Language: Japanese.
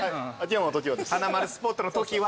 はなまるスポットの時は。